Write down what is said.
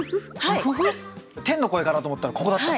天の声かなと思ったらここだった。